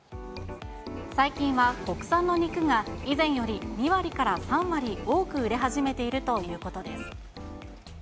最近は、国産の肉が以前より２割から３割、多く売れ始めているということです。